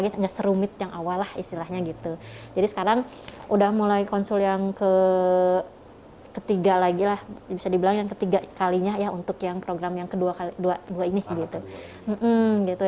tidak serumit yang awal lah istilahnya gitu jadi sekarang udah mulai konsul yang ketiga lagi lah bisa dibilang yang ketiga kalinya ya untuk yang program yang kedua dua ini gitu